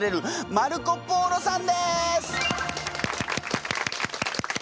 マルコ・ポーロさん！